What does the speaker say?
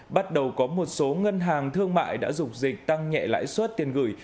bắt đầu có một số ngân hàng thương mại đã dục dịch tăng nhẹ lãi suất tiền gửi